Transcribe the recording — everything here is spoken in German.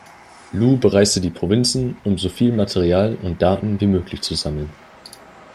Lu bereiste die Provinzen, um so viel Material und Daten wie möglich zu sammeln.